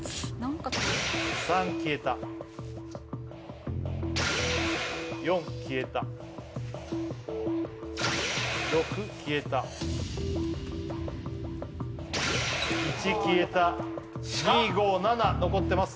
３消えた４消えた６消えた１消えた２５７残ってます